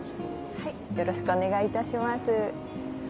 はいよろしくお願い致します。